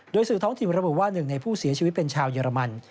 โดยสื่อท้องถิ่นระบุว่าหนึ่งในผู้เสียชีวิตเป็นชาวเยอรมัน